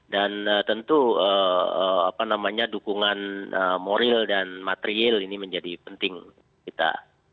dan tentu apa namanya dukungan moral dan material ini menjadi penting kita